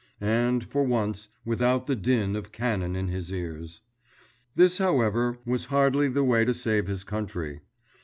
And, for once, without the din of cannon in his ears. This, however, was hardly the way to save his country.